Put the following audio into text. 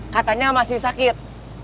katanya masih sakit